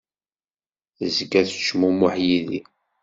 Tezga tettcmumuḥ yid-i.